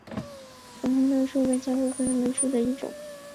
粉红溲疏为虎耳草科溲疏属下的一个种。